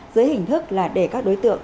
dưới hình thức là để các đối tượng